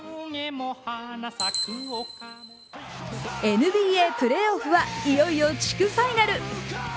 ＮＢＡプレーオフは、いよいよ地区ファイナル。